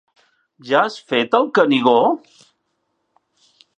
Ja has fet el Canigó?